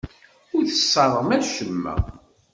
Ur tesserɣem acemma.